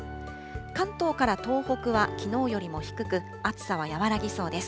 関東から東北はきのうよりも低く、暑さは和らぎそうです。